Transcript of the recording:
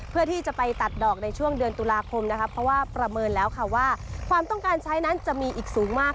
เพื่อที่จะไปตัดดอกในช่วงเดือนตุลาคมนะคะเพราะว่าประเมินแล้วค่ะว่าความต้องการใช้นั้นจะมีอีกสูงมาก